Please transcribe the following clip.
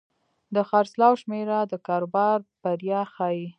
د خرڅلاو شمېره د کاروبار بریا ښيي.